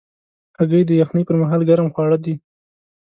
هګۍ د یخنۍ پر مهال ګرم خواړه دي.